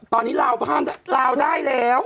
ตอนนี้ราวได้แล้ว